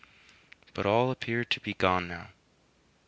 But all appeared to be gone now.